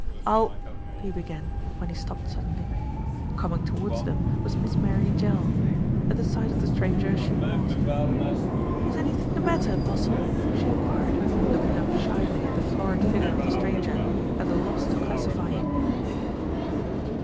"I'll " he began, when he stopped suddenly. Coming towards them was Miss Mary Jell. At the sight of the stranger she paused. "Is anything the matter, Postle?" she enquired. P.C. POSTLE ASSUMES HIS UNIFORM 239 looking up shyly at the florid figure of the stranger, at a loss to classify him.